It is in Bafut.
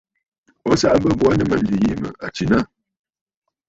O saꞌa bə̂ bo aa nɨ mânjì yìi mə à tsìnə aà.